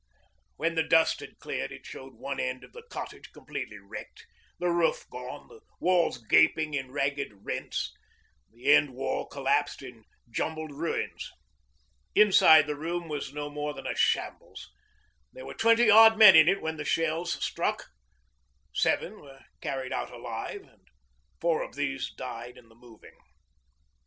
When the dust had cleared it showed one end of the cottage completely wrecked, the roof gone, the walls gaping in ragged rents, the end wall collapsed in jumbled ruins. Inside the room was no more than a shambles. There were twenty odd men in it when the shells struck. Seven were carried out alive, and four of these died in the moving.